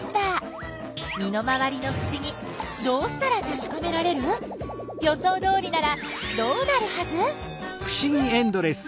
身の回りのふしぎどうしたらたしかめられる？予想どおりならどうなるはず？